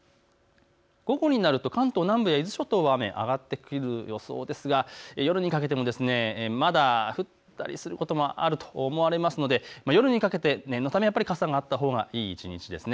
午後になると関東南部や伊豆諸島は雨が上がってくる予想で、夜にかけてもまだ降ったりすることもあると思うので夜にかけて念のためやっぱり傘があったほうがいい一日です。